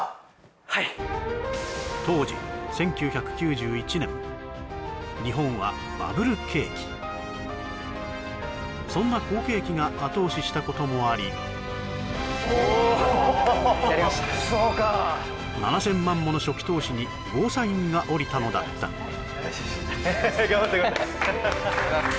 はい当時１９９１年日本はそんな好景気が後押ししたこともありおおそうかやりました７０００万もの初期投資にゴーサインが下りたのだったよしよし頑張ったハハハ